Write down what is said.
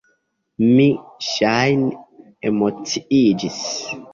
Mi, ŝajne, emociiĝis.